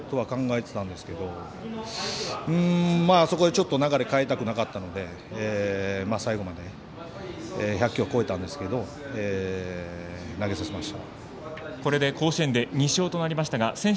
大体１００球ぐらいでとは考えてたんですけど、あそこでちょっと流れ変えたくなかったので最後まで１００球を超えたんですけど投げさせました。